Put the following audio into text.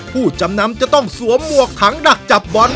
ผู้จำนำจะต้องสวมหมวกถังดักจับบอล